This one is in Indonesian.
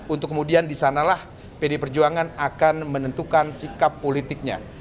untuk kemudian di sanalah pdi perjuangan akan menentukan sikap politiknya